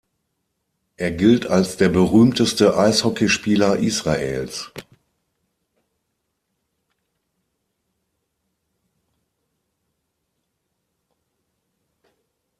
Er gilt als der berühmteste Eishockeyspieler Israels.